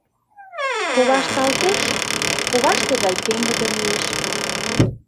Ковашталтеш — коваште гай пеҥгыде лиеш.